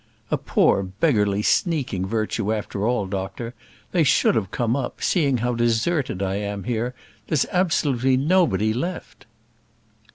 "A poor, beggarly, sneaking virtue after all, doctor. They should have come up, seeing how deserted I am here. There's absolutely nobody left."